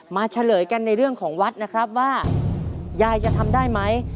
เฉลยกันในเรื่องของวัดนะครับว่ายายจะทำได้ไหม